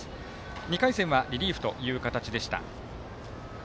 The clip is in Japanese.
２回戦はリリーフという形でした。